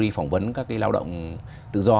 đi phỏng vấn các cái lao động tự do